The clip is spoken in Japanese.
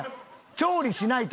調理しないと！